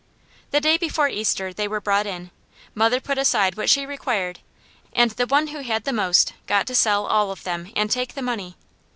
The day before Easter they were brought in, mother put aside what she required, and the one who had the most got to sell all of them and take the money.